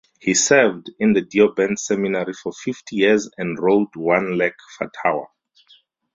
He served in the Deoband seminary for fifty years and wrote one lakh fatawa.